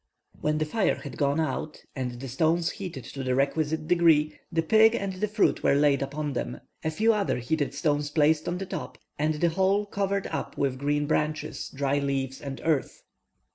When the fire had gone out, and the stones heated to the requisite degree, the pig and the fruit were laid upon them, a few other heated stones placed on the top, and the whole covered up with green branches, dry leaves, and earth.